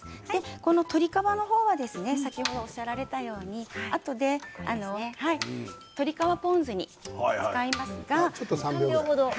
この鶏皮の方は先ほどおっしゃられたようにあとで鶏皮ポン酢にします。